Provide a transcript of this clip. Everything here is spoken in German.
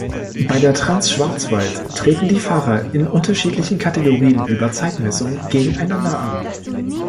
Bei der Trans Schwarzwald treten die Fahrer in unterschiedlichen Kategorien über Zeitmessung gegeneinander an.